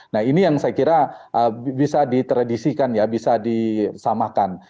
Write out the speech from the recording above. nah ini yang saya kira bisa ditradisikan ya bisa disamakan